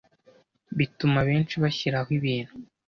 bituma abenshi bashyiraho ibintu